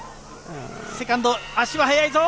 セカンド、足は速いぞ！